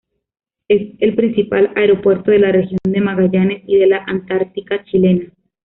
Es el principal aeropuerto de la Región de Magallanes y de la Antártica Chilena.